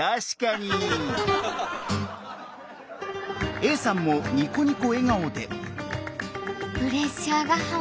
Ａさんもニコニコ笑顔で。